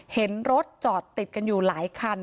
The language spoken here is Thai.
เห็นรถจอดติดกันอยู่หลายคัน